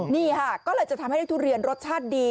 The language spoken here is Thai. นี่ค่ะก็เลยจะทำให้ได้ทุเรียนรสชาติดี